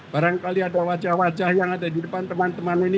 barangkali ada wajah wajah yang ada di depan teman teman ini